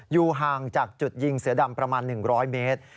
อยู่ห่างจากจุดยิงเสือดำประมาณ๑๐๐เมตร